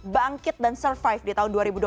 bangkit dan survive di tahun dua ribu dua puluh